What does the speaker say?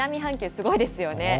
すごいですよね。